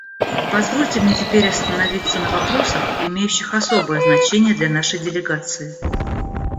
Позвольте мне теперь остановиться на вопросах, имеющих особое значение для нашей делегации.